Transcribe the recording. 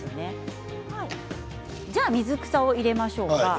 じゃあ水草を入れましょうか。